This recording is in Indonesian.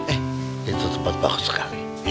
eh itu tempat bagus sekali